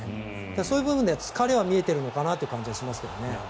そういう部分では疲れは見えてるのかなって感じはしますけどね。